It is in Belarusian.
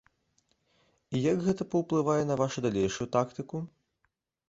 І як гэта паўплывае на вашу далейшую тактыку?